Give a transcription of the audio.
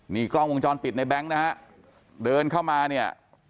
นี่กล้องวงจรปิดในแบงค์นะฮะเดินเข้ามาเนี่ย